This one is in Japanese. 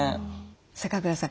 坂倉さん